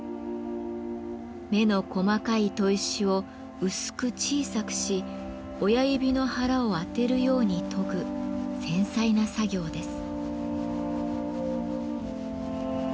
目の細かい砥石を薄く小さくし親指の腹を当てるように研ぐ繊細な作業です。